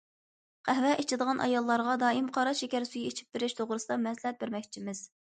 قەھۋە ئىچىدىغان ئاياللارغا دائىم قارا شېكەر سۈيى ئىچىپ بېرىش توغرىسىدا مەسلىھەت بەرمەكچىمىز.